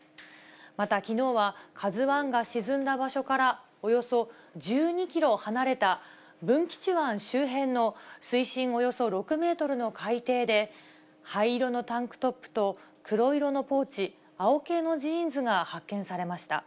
また、きのうはＫＡＺＵＩが沈んだ場所からおよそ１２キロ離れた文吉湾周辺の水深およそ６メートルの海底で、灰色のタンクトップと黒色のポーチ、青系のジーンズが発見されました。